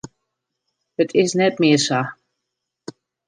It is net mear sa.